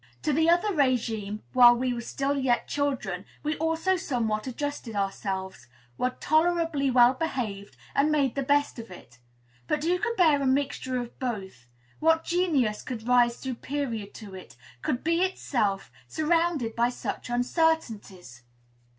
To the other régime, while we were yet children, we also somewhat adjusted ourselves, were tolerably well behaved, and made the best of it. But who could bear a mixture of both? What genius could rise superior to it, could be itself, surrounded by such uncertainties?